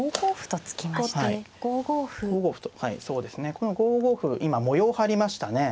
この５五歩今模様張りましたね。